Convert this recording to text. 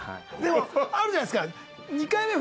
でもあるじゃないですか。